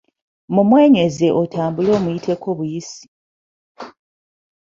Mumwenyeze otambule omuyiteko buyisi.